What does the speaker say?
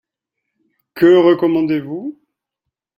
Que recommandez-vous ?